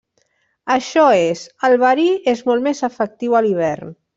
Això és, el verí és molt més efectiu a l'hivern.